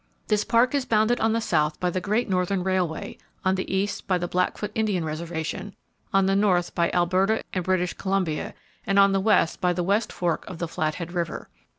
This park is bounded on the south by the Great Northern Railway, on the east by the Blackfoot Indian Reservation, on the north by Alberta and British Columbia, and on the west by West Fork of the Flathead River.